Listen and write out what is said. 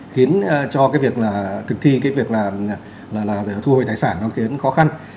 khiến cho cái việc thực thi cái việc thu hồi tài sản nó khiến khó khăn